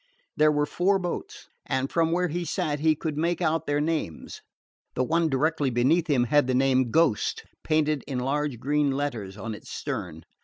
There were four boats, and from where he sat he could make out their names. The one directly beneath him had the name Ghost painted in large green letters on its stern.